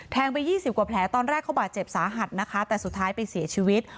ไป๒๐กว่าแผลตอนแรกเขาบาดเจ็บสาหัสนะคะแต่สุดท้ายไปเสียชีวิต